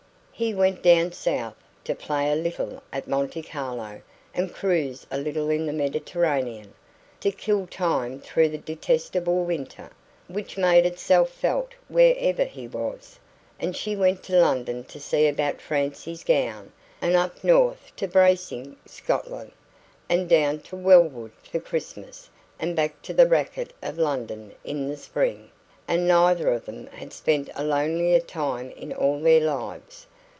He went down south, to play a little at Monte Carlo and cruise a little in the Mediterranean to kill time through the detestable winter, which made itself felt wherever he was; and she went to London to see about Francie's gown, and up north to bracing Scotland, and down to Wellwood for Christmas, and back to the racket of London in the spring; and neither of them had spent a lonelier time in all their lives.